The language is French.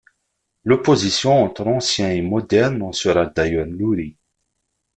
L'opposition entre anciens et modernes en sera d'ailleurs nourrie.